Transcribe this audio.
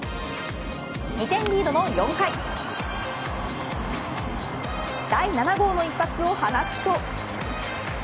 ２点リードの４回第７号の一発を放つと。